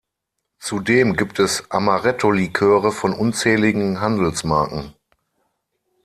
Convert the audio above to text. Zudem gibt es Amaretto-Liköre von unzähligen Handelsmarken.